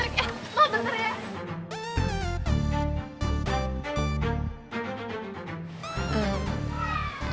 ma bentar ya